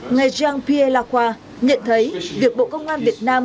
ngày giang pia laqua nhận thấy việc bộ công an việt nam